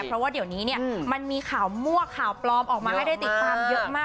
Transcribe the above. เพราะว่าเดี๋ยวนี้เนี่ยมันมีข่าวมั่วข่าวปลอมออกมาให้ได้ติดตามเยอะมาก